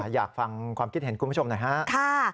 อยากฟังความคิดเห็นคุณผู้ชมหน่อยฮะ